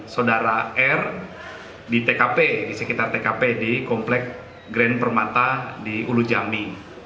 saudara r di tkp di sekitar tkp di komplek grand permata di ulu jambi